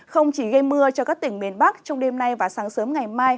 không chỉ gây mưa cho các tỉnh miền bắc trong đêm nay và sáng sớm ngày mai